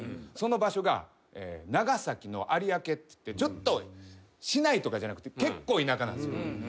その場所が長崎の有明っつってちょっと市内とかじゃなくて結構田舎なんですよ。